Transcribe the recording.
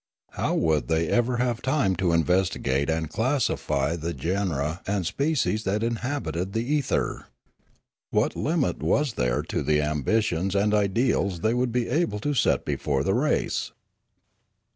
How would they ever have time to investigate and classify the genera 3io Limanora and species that inhabited the ether? What limit was there to the ambitions and ideals they would be able to set before the race